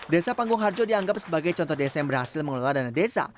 desa panggung harjo dianggap sebagai contoh desa yang berhasil mengelola dana desa